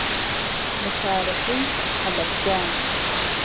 لە شارەکەی حهلهبجه